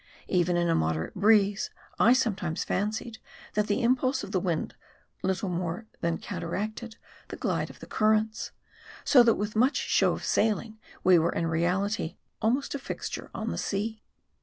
Even in a moderate breeze, I sometimes fancied, that the impulse of the wind little more than counteracted the glide of the currents ; so that with much show of sailing, we were in reality almost a fixture on the sea.